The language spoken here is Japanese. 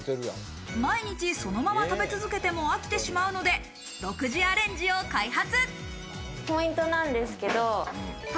毎日そのまま食べ続けても飽きてしまうので、独自アレンジを開発。